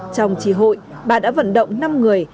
trong chi hội bà đã vận động năm người